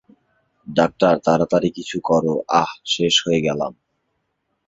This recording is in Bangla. ডাক্তার, তাড়াতাড়ি কিছু করো! আহ্, শেষ হয়ে গেলাম!